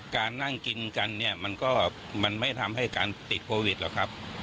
การนั่งกินกันมันไม่ทำให้การติดโควิดหรอกครับ